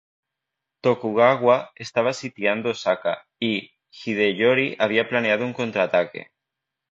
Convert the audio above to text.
Tokugawa estaba sitiando Osaka, y Hideyori había planeado un contraataque.